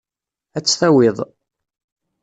Ad tt-tawiḍ.